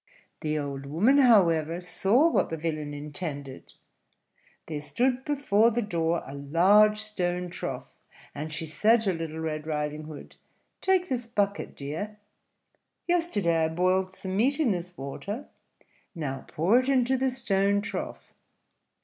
The old woman, however, saw what the villain intended. There stood before the door a large stone trough, and she said to Little Red Riding Hood, "Take this bucket, dear: yesterday I boiled some meat in this water, now pour it into the stone trough."